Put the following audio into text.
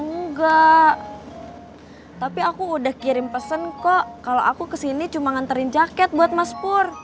enggak tapi aku udah kirim pesan kok kalau aku kesini cuma nganterin jaket buat mas pur